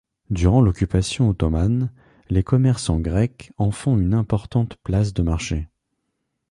Durant l'occupation ottomane, les commerçants grecs en font une importante place de marché.